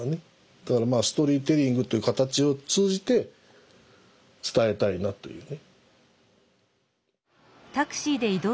だからまあストーリーテリングという形を通じて伝えたいなというね。